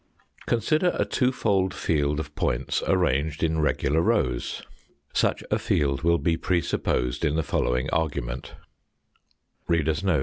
Consider a two fold field of points arranged in regular rows. Such a field will be presupposed in the following argument.